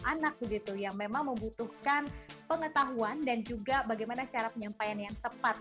anak begitu yang memang membutuhkan pengetahuan dan juga bagaimana cara penyampaian yang tepat